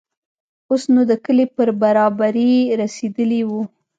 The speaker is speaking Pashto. اوس نو د کلي پر برابري رسېدلي وو.